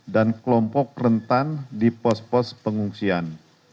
dan kelompok rentan di pos pos pengungsian